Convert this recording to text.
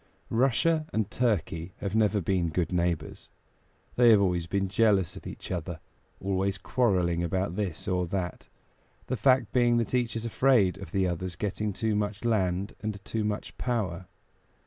Russia and Turkey have never been good neighbors. They have always been jealous of each other, always quarreling about this or that, the fact being that each is afraid of the other's getting too much land and too much power.